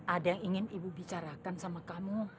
ada yang ingin ibu bicarakan sama kamu